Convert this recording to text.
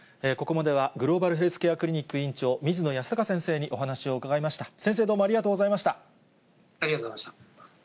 ここまでは、グローバルヘルスケアクリニック院長、水野泰孝先生にお話を伺いました。